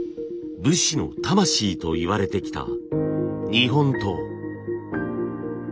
武士の魂といわれてきた日本刀。